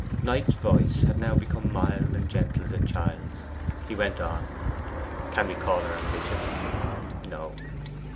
Knight's voice had now become mild and gentle as a child's. He went on: 'Can we call her ambitious? No.